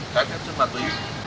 cái phép chất bản tùy